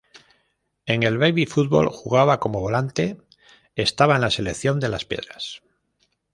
En el baby fútbol jugaba como volante, estaba en la selección de Las Piedras.